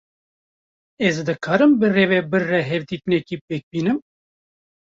Ez dikarim bi rêvebir re hevdîtinekê pêk bînim?